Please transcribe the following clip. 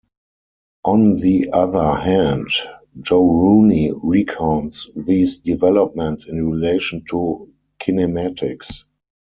On the other hand, Joe Rooney recounts these developments in relation to kinematics.